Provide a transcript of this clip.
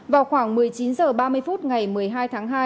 vào khoảng một mươi chín h ba mươi phút ngày một mươi hai tháng hai